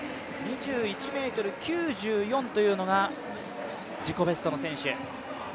２１ｍ９４というのが、自己ベストの選手。